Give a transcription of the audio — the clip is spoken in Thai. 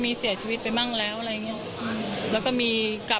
พูดสิทธิ์ข่าวธรรมดาทีวีรายงานสดจากโรงพยาบาลพระนครศรีอยุธยาครับ